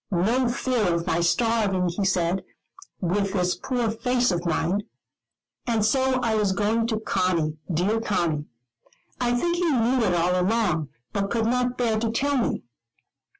No fear of my starving, he said, with this poor face of mine. And so I was going to Conny, dear Conny; I think he knew it all long ago, but could not bear to tell me.